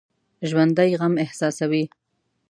ژوندي غم احساسوي